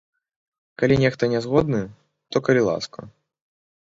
Калі нехта не згодны, то, калі ласка.